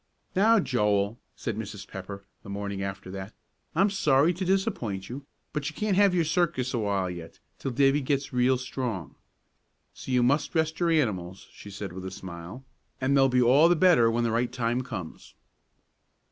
"Now, Joel," said Mrs. Pepper, the morning after that, "I'm sorry to disappoint you, but you can't have your circus awhile yet, till Davie gets real strong. So you must rest your animals," she said with a smile, "and they'll be all the better when the right time comes."